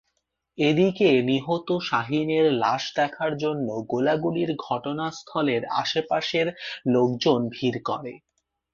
এদিকে নিহত শাহীনের লাশ দেখার জন্য গোলাগুলির ঘটনাস্থলের আশপাশের লোকজন ভিড় করে।